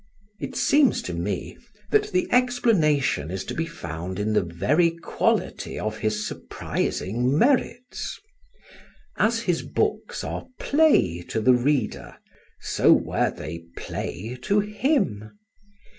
It seems to me that the explanation is to be found in the very quality of his surprising merits. As his books are play to the reader, so were, they play to him.